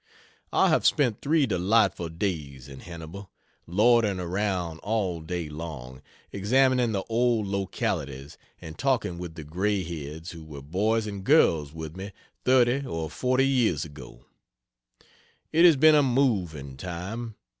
I have spent three delightful days in Hannibal, loitering around all day long, examining the old localities and talking with the grey heads who were boys and girls with me 30 or 40 years ago. It has been a moving time.